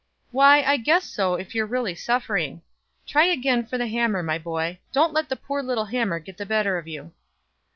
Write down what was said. "Why, I guess so, if you are really suffering. Try again for the hammer, my boy; don't let a poor little hammer get the better of you."